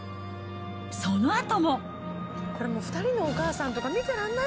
そのあとも。